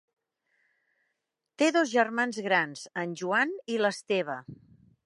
Té dos germans grans, en Joan i l'Esteve.